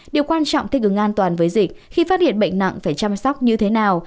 điều quan trọng thích ứng an toàn với dịch khi phát hiện bệnh nặng phải chăm sóc như thế nào